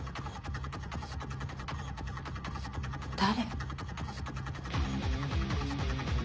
誰？